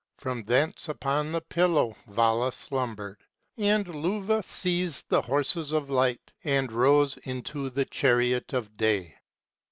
From thence upon the pillow Vala slumbered, And Luvah seized the Horses of Light and rose into the Chariot of Day.